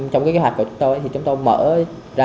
trong cái kế hoạch của chúng tôi thì chúng tôi mở ra